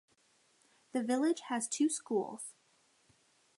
The village has two schools.